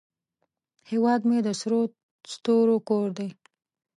هیواد مې د سرو ستورو کور دی